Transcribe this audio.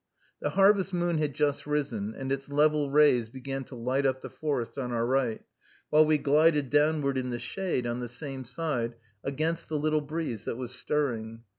The Harvest Moon had just risen, and its level rays began to light up the forest on our right, while we glided downward in the shade on the same side, against the little breeze that was stirring.